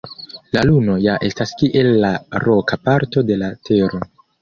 La Luno ja estas kiel la roka parto de la Tero.